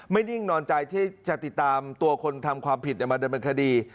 นิ่งนอนใจที่จะติดตามตัวคนทำความผิดมาดำเนินคดี